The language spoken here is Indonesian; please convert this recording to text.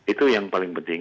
itu yang paling penting